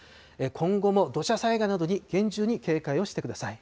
今後も土砂災害などに厳重に警戒をしてください。